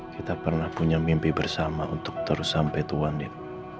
kita pernah punya mimpi bersama untuk terus sampai tua nid